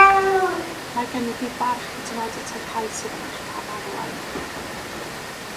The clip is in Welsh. Mae gennyf fi barch hyd yn oed at y rhai sydd yn eich camarwain.